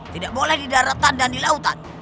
tidak boleh di daratan dan di lautan